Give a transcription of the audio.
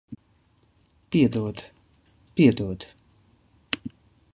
Piedod. Piedod.